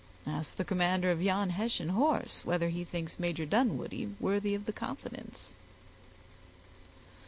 "Ask the commander of yon Hessian horse, whether he thinks Major Dunwoodie worthy of the confidence."